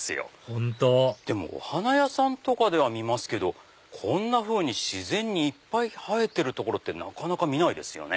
本当でもお花屋さんとかでは見ますけどこんなふうに自然にいっぱい生えてるところってなかなか見ないですよね。